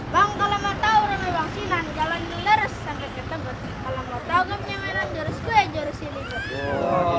bang kalau mau tau ramai bang